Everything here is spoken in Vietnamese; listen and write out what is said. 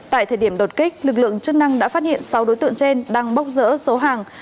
tại thời điểm đột kích lực lượng chức năng đã phát hiện sáu đối tượng trên đang bốc rỡ số hàng